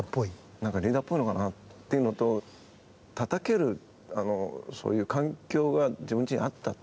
何かリーダーっぽいのかなっていうのとたたけるそういう環境が自分ちにあった。